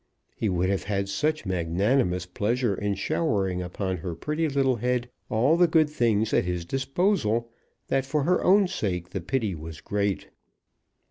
He would have had such magnanimous pleasure in showering upon her pretty little head all the good things at his disposal, that, for her own sake, the pity was great.